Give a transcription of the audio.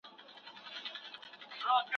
دین د ټولني په ژوند باندې خورا زیات تاثیر درلود.